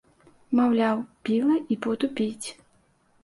Маўляў, біла і буду біць.